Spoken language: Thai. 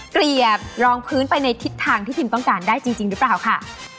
เกลียบรองพื้นไปในทิศทางที่พิมต้องการได้จริงหรือเปล่าค่ะ